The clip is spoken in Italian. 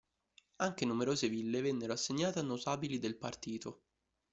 Anche numerose ville vennero assegnate a notabili del partito.